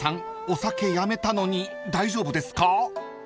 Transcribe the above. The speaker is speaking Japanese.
お酒やめたのに大丈夫ですか？］